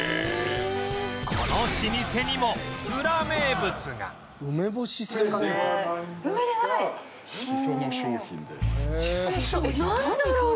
この老舗にもウラ名物がなんだろう？